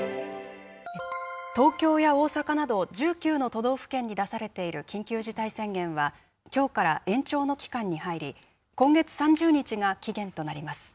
東京や大阪など、１９の都道府県に出されている緊急事態宣言は、きょうから延長の期間に入り、今月３０日が期限となります。